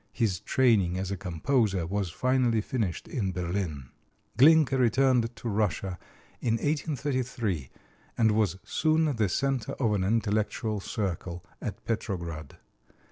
His training as a composer was finally finished in Berlin. Glinka returned to Russia in 1833, and was soon the center of an intellectual circle at Petrograd.